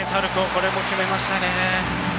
これも決めましたね。